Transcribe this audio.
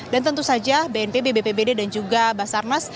dan tentu saja bnpb bpbd dan juga basarnas